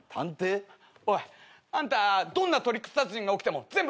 おいあんたどんなトリック殺人が起きても全部解決しちゃうよな？